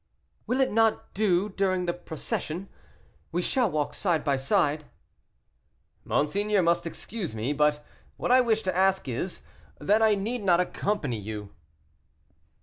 "Will it not do during the procession? we shall walk side by side." "Monseigneur must excuse me, but what I wished to ask is, that I need not accompany you."